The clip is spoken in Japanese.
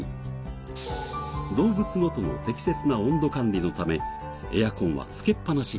動物ごとの適切な温度管理のためエアコンは付けっぱなし。